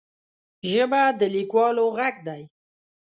ژبه د لیکوالو غږ دی